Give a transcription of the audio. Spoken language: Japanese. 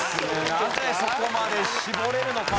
なぜそこまで絞れるのか？